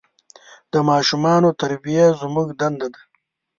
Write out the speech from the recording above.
د ماشومان تربیه زموږ دنده ده.